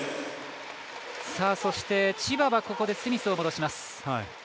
そして千葉はここでスミスを戻します。